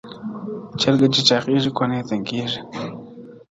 چرگه چي چاغېږي، کونه ېې تنگېږي.